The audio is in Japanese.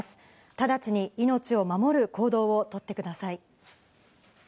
直ちに命を守る行動をとってください。